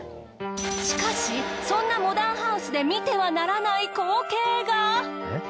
しかしそんなモダンハウスで見てはならない光景が！